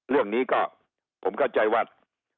เรื่องนี้ก็ผมเข้าใจว่า